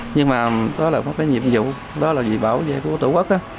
nhưng mà đó là một cái nhiệm vụ đó là dị bảo về của tổ quốc